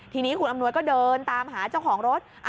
ทีนี้คุณอำนวยก็เดินตามหาเจ้าของรถ